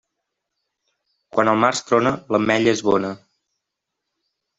Quan al març trona, l'ametlla és bona.